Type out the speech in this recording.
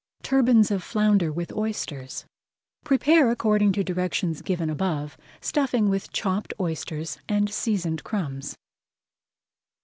TURBANS OF FLOUNDER WITH OYSTERS Prepare according to directions given above, stuffing with chopped oysters and seasoned crumbs.